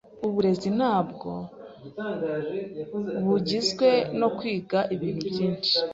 Uburezi ntabwo bugizwe no kwiga ibintu byinshi.